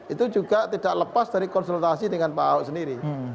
itu juga tidak lepas dari konsultasi dengan pak ahok sendiri